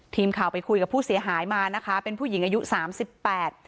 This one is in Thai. ทีมข่าวไปคุยกับผู้เสียหายมานะคะเป็นผู้หญิงอายุสามสิบแปด